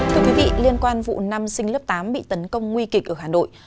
thưa quý vị liên quan vụ năm sinh lớp tám bị tấn công nguy kịch ở hà nội